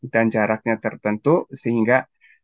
dan jaraknya tertentu sehingga